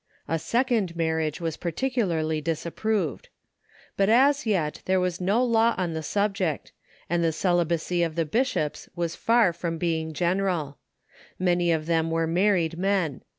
A second marriage was particularly disapproved. But as yet there was no law on the subject, and the celibacy of the bishops was far from being general. Many of them were married men.